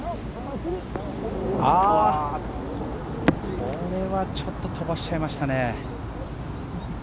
これはちょっと飛ばしちゃいましたね。